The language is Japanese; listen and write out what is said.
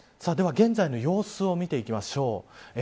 現在の様子を見ていきましょう。